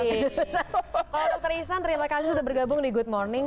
kalau untuk trisan terima kasih sudah bergabung di good morning